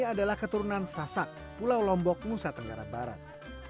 adalah keturunan sasak pulau lombok nusa tenggara barat